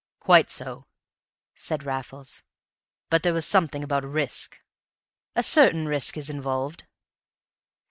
"Quite so," said Raffles. "But there was something about a risk?" "A certain risk is involved."